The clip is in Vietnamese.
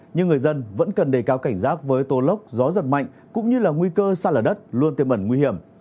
nhưng người dân vẫn cần đề cao cảnh giác với tố lốc gió giật mạnh cũng như là nguy cơ xa lở đất luôn tiêm ẩn nguy hiểm